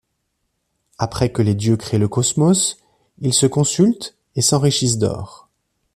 Après que les dieux créent le cosmos, ils se consultent et s'enrichissent d'or.